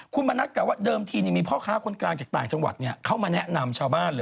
คุณมณัฐกล่าวว่าเดิมทีมีพ่อค้าคนกลางจากต่างจังหวัดเข้ามาแนะนำชาวบ้านเลย